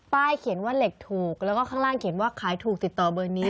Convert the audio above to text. เขียนว่าเหล็กถูกแล้วก็ข้างล่างเขียนว่าขายถูกติดต่อเบอร์นี้